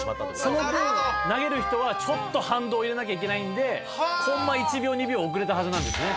「その分投げる人はちょっと反動を入れなきゃいけないんでコンマ１秒２秒遅れたはずなんですね」